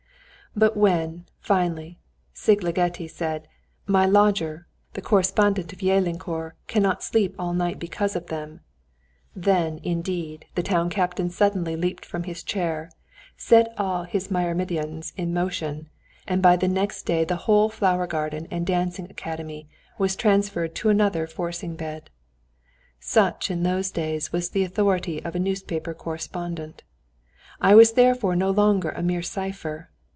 But when, finally, Szigligeti said: "My lodger, the correspondent of the Jelenkor, cannot sleep all night because of them," then, indeed, the Town Captain suddenly leaped from his chair, set all his myrmidons in motion, and by the next day the whole flower garden and dancing academy was transferred to another forcing bed. Such in those days was the authority of a newspaper correspondent.... I was therefore no longer a mere cipher.